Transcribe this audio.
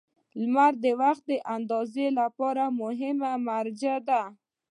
• لمر د وخت اندازې لپاره یوه مهمه مرجع ده.